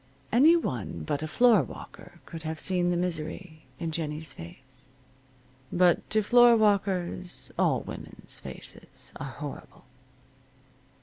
Any one but a floorwalker could have seen the misery in Jennie's face. But to floorwalkers all women's faces are horrible.